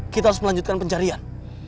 kita harus melanjutkan pencarian